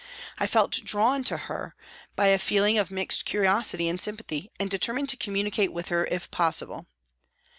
I felt drawn to her by a feeling of mixed curiosity and sympathy and determined to communicate with her if possible.